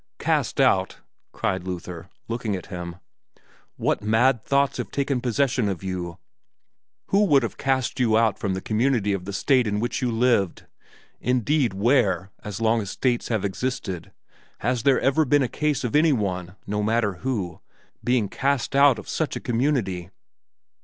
"Cast out!" cried Luther, looking at him. "What mad thoughts have taken possession of you? Who could have cast you out from the community of the state in which you lived? Indeed where, as long as states have existed, has there ever been a case of any one, no matter who, being cast out of such a community?"